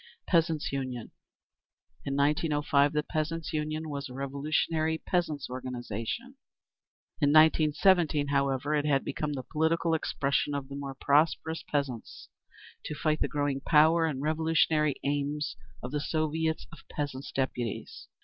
Peasants' Union. In 1905, the Peasants' Union was a revolutionary peasants' organisation. In 1917, however, it had become the political expression of the more prosperous peasants, to fight the growing power and revolutionary aims of the Soviets of Peasants' Deputies.